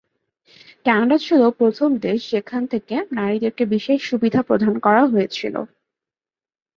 Canada ছিল প্রথম দেশ যেখান থেকে নারীদেরকে বিশেষ সুবিধা প্রদান করা হয়েছিল।